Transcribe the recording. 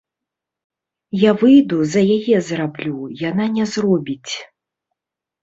Я выйду за яе зраблю, яна не зробіць.